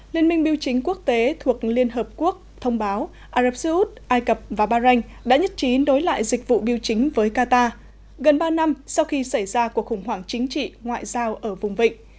liên minh biểu chính quốc tế thuộc liên hợp quốc thông báo ả rập xê út ai cập và bahrain đã nhất trí đối lại dịch vụ biểu chính với qatar gần ba năm sau khi xảy ra cuộc khủng hoảng chính trị ngoại giao ở vùng vịnh